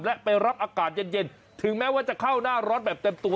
และไปรับอากาศเย็นถึงแม้ว่าจะเข้าหน้าร้อนแบบเต็มตัว